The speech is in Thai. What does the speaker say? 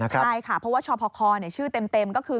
ใช่ค่ะเพราะว่าชพคชื่อเต็มก็คือ